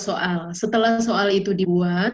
soal setelah soal itu dibuat